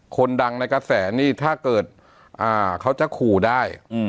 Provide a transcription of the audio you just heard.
คนดังในกระแสนี่ถ้าเกิดเขาจะขู่ได้